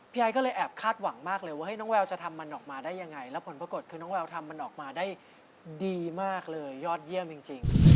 ไอก็เลยแอบคาดหวังมากเลยว่าน้องแววจะทำมันออกมาได้ยังไงแล้วผลปรากฏคือน้องแววทำมันออกมาได้ดีมากเลยยอดเยี่ยมจริง